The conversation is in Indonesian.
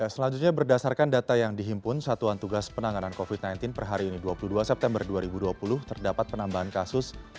selanjutnya berdasarkan data yang dihimpun satuan tugas penanganan covid sembilan belas per hari ini dua puluh dua september dua ribu dua puluh terdapat penambahan kasus